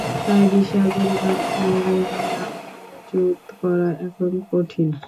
তাই বিশাল পরিমাণ ইউরেনিয়াম মজুত করা এখন কঠিন।